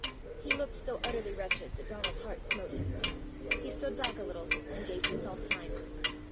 He looked so utterly wretched that Donal's heart smote him. He stood back a little, and gave himself time.